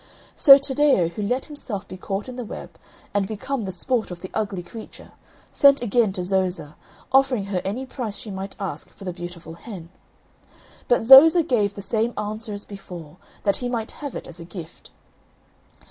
So Taddeo, who let himself be caught in the web, and become the sport of the ugly creature, sent again to Zoza, offering her any price she might ask for the beautiful hen. But Zoza gave the same answer as before, that he might have it as a gift.